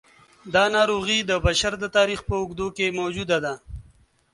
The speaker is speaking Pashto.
دا ناروغي د بشر د تاریخ په اوږدو کې موجوده ده.